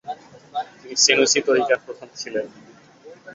তিনি সেনুসি তরিকার প্রধান ছিলেন।